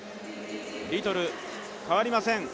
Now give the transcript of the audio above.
リトル、変わりません。